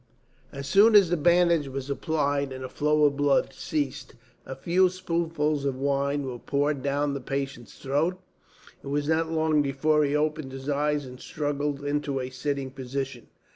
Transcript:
As soon as the bandage was applied and the flow of blood ceased, a few spoonfuls of wine were poured down the patient's throat. It was not long before he opened his eyes and struggled into a sitting position.